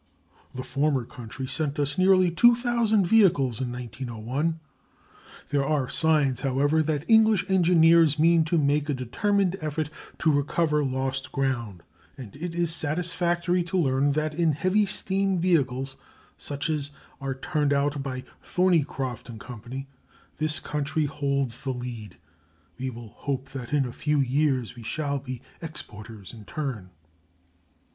The former country sent us nearly 2000 vehicles in 1901. There are signs, however, that English engineers mean to make a determined effort to recover lost ground; and it is satisfactory to learn that in heavy steam vehicles, such as are turned out by Thorneycroft and Co., this country holds the lead. We will hope that in a few years we shall be exporters in turn.